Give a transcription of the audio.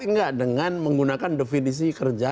enggak dengan menggunakan definisi kerja